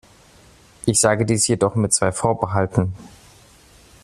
Ich sage dies jedoch mit zwei Vorbehalten.